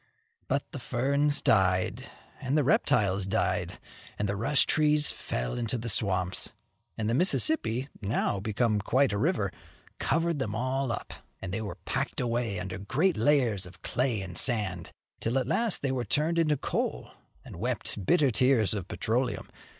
But the ferns died, and the reptiles died, and the rush trees fell into the swamps, and the Mississippi, now become quite a river, covered them up, and they were packed away under great layers of clay and sand, till at last they were turned into coal, and wept bitter tears of petroleum.